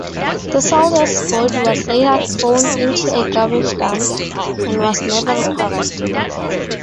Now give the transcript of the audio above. The soldier's body was later thrown into a garbage dump, and was never recovered.